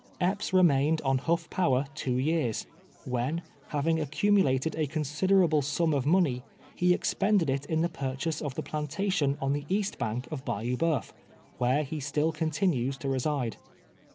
Epps renuiined on Ilutf Power two years, when, having accumulated a considerable sum of money, he expended it in tlie purchase of the plantation on the east bank of Bayou Bo^if, M'here he still continues to reside.